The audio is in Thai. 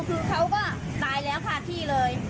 คือเขาก็ตายแล้วคาที่เลย